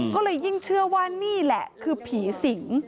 ก็เลยยิ่งเชื่อว่านี่แหละคือผีสิง